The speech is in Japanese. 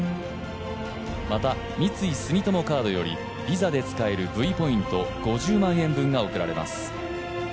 また、三井住友カードよりＶｉｓａで使えるＶポイント５０万円分が贈られます。